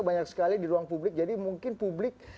banyak sekali di ruang publik jadi mungkin publik